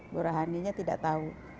bu rohaninya tidak tahu